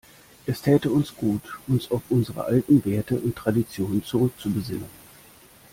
Es täte uns gut, uns auf unsere alten Werte und Traditionen zurückzubesinnen.